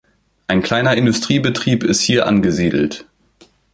Ein kleiner Industriebetrieb ist hier angesiedelt.